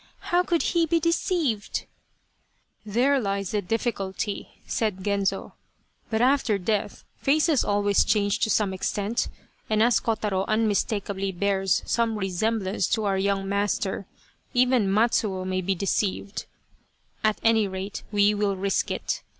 How could he be deceived ?"" There lies the difficulty," said Genzo, " but after death faces always change to some extent, and as Kotaro unmistakably bears some resemblance to our young master, even Matsuo may be deceived. At any rate we will risk it.